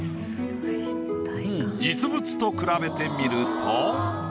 実物と比べてみると。